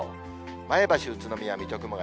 前橋、宇都宮、水戸、熊谷。